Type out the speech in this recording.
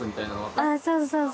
ああそうそうそうそう。